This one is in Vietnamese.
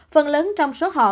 phần lớn trong số họ